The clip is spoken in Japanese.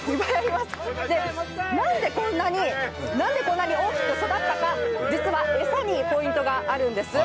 なんでこんなに大きく育ったか実は餌にポイントがあるんです。